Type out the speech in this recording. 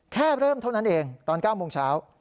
แค่เริ่มเท่านั้นเองตอน๙โมงเช้า